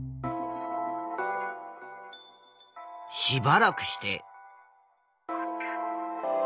しばらくして。